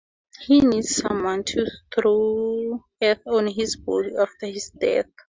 He needs someone to throw earth on his body, after his death.